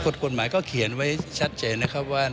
กฎหมายก็เขียนไว้ชัดเจนนะครับว่า